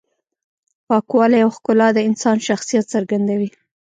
پاکوالی او ښکلا د انسان شخصیت څرګندوي.